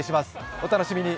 お楽しみに。